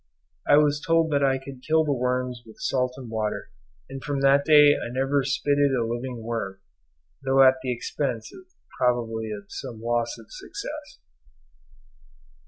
I was told that I could kill the worms with salt and water, and from that day I never spitted a living worm, though at the expense probably of some loss of success.